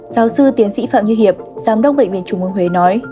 giáo sư tiến sĩ phạm như hiệp giám đốc bệnh viện trung ương huế nói